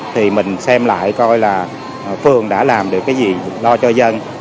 thì mình xem lại coi là phường đã làm được cái gì lo cho dân